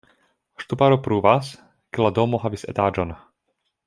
Ŝtuparo pruvas, ke la domo havis etaĝon.